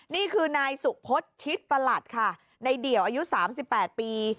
นี่คือนายสุพศชิดประหลัดค่ะในเดี่ยวอายุ๓๘ปี